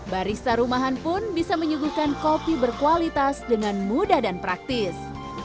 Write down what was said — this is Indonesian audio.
barista rumahan pun bisa menyuguhkan kopi berkualitas dengan mudah dan praktis